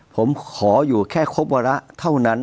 ผมขออยู่แค่ครบวาระเท่านั้น